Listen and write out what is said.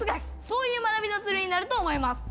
そういう学びのツールになると思います。